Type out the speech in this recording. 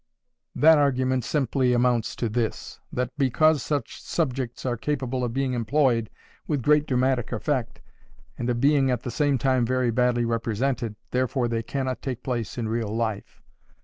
That argument simply amounts to this: that, because such subjects are capable of being employed with great dramatic effect, and of being at the same time very badly represented, therefore they cannot take place in real life.